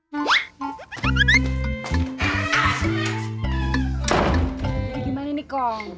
jadi gimana nih kong